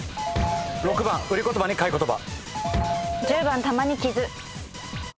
６番売り言葉に買い言葉。